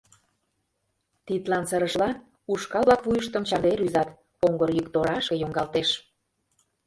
Тидлан сырышыла, ушкал-влак вуйыштым чарныде рӱзат, оҥгыр йӱк торашке йоҥгалтеш.